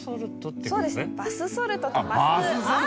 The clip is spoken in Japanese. そうですねバスソルト。